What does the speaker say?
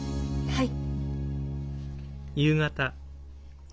はい。